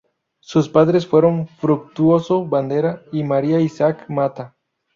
Sus padres fueron Fructuoso Bandera y María Issac Mata.